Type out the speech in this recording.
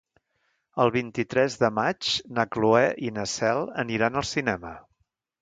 El vint-i-tres de maig na Cloè i na Cel aniran al cinema.